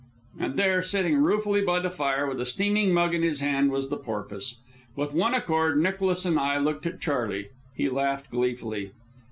And there, sitting ruefully by the fire, with a steaming mug in his hand, was the Porpoise. With one accord Nicholas and I looked at Charley. He laughed gleefully.